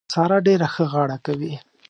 سارا ډېره ښه غاړه کوي.